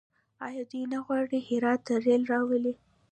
آیا دوی نه غواړي هرات ته ریل راولي؟